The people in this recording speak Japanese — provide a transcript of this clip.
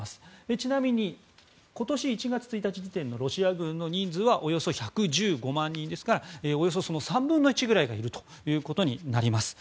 ちなみに、今年１月１日時点のロシア軍の人数はおよそ１１５万人ですからおよそその３分の１ぐらいがいるということになります。